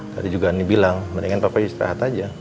tadi juga andi bilang mendingan papa istirahat aja